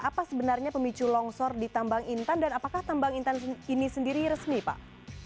apa sebenarnya pemicu longsor di tambang intan dan apakah tambang intan ini sendiri resmi pak